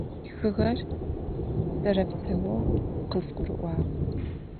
Тхыгъэр зэрэпсаоу къызгурыӏуагъ.